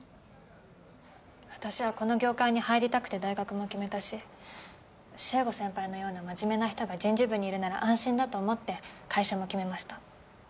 私はこの業界に入りたくて大学も決めたし修吾先輩のような真面目な人が人事部にいるなら安心だと思って会社も決めました。